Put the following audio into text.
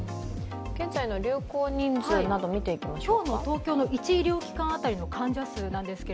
現在の流行人数などを見ていきましょうか。